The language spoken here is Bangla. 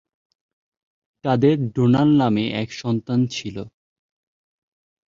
তাদের ডোনাল্ড নামে এক সন্তান ছিল।